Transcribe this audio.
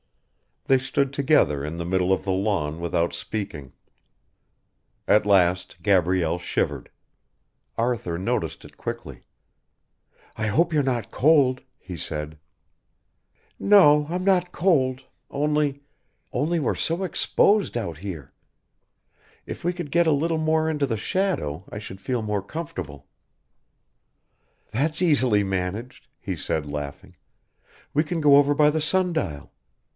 They stood together in the middle of the lawn without speaking. At last Gabrielle shivered. Arthur noticed it quickly. "I hope you're not cold," he said. "No, I'm not cold only only we're so exposed out here. If we could get a little more into the shadow I should feel more comfortable " "That's easily managed," he said laughing. "We can go over by the sundial.